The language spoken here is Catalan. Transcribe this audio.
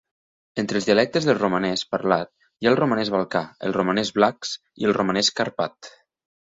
Entre els dialectes del romanès parlat hi ha el romanès balcà, el romanès vlax i el romanès carpat.